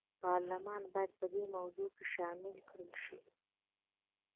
پارلمان باید په دې موضوع کې شامل کړل شي.